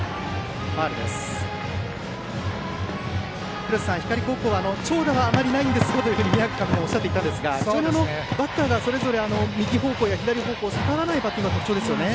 廣瀬さん、光高校は長打はあまりないんですがと宮秋監督もおっしゃっていたんですがバッターがそれぞれ右方向や左方向に逆らわないバッティングが特徴ですよね。